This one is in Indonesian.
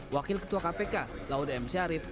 wakil ketua kpk laude m syarif